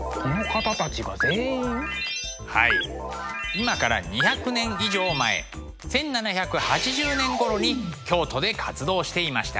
今から２００年以上前１７８０年ごろに京都で活動していました。